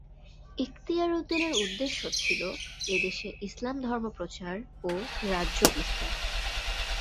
ইখতিয়ার উদ্দীনের উদ্দেশ্য ছিল এদেশে ইসলাম ধর্ম প্রচার ও রাজ্য বিস্তার।